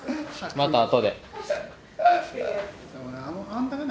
またあとで。